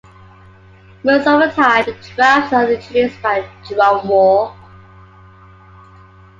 Most of the time, the drops are introduced by a drum roll.